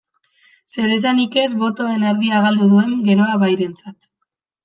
Zeresanik ez botoen erdia galdu duen Geroa Bairentzat.